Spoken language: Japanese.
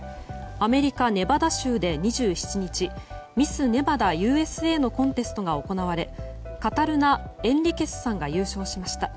アメリカ・ネバダ州で２７日ミス・ネバダ・ＵＳＡのコンテストが行われカタルナ・エンリケスさんが優勝しました。